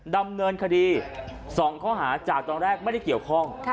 ดำเนินคดี๒ข้อหาจากตอนแรกไม่ได้เกี่ยวข้อง